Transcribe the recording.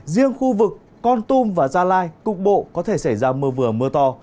riêng khu vực con tum và gia lai cục bộ có thể xảy ra mưa vừa mưa to